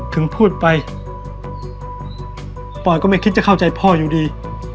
ถึงพูดไปปอยก็ไม่คิดจะเข้าใจพ่ออยู่ดี